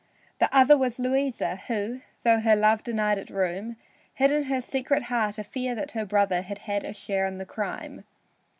The other was Louisa, who, though her love denied it room, hid in her secret heart a fear that her brother had had a share in the crime.